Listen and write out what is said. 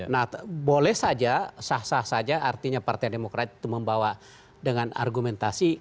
nah boleh saja sah sah saja artinya partai demokrat itu membawa dengan argumentasi